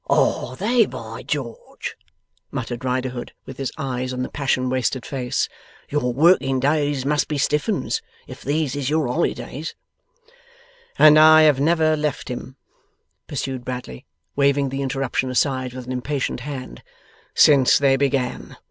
'Are they, by George!' muttered Riderhood, with his eyes on the passion wasted face. 'Your working days must be stiff 'uns, if these is your holidays.' 'And I have never left him,' pursued Bradley, waving the interruption aside with an impatient hand, 'since they began.